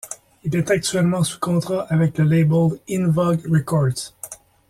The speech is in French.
Il est actuellement sous contrat avec le label InVogue Records.